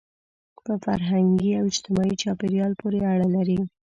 په فرهنګي او اجتماعي چاپېریال پورې اړه لري.